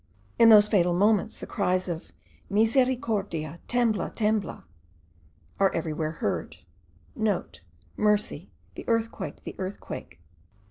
In those fatal moments the cries of 'misericordia! tembla! tembla!'* are everywhere heard (* "Mercy! the earthquake! the earthquake!"